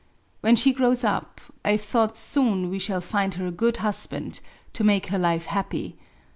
When she grows up^ I thought^ soon we shall find her a good husband^ to make her life happy.